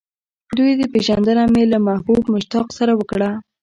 د دوی پېژندنه مې له محبوب مشتاق سره وکړه.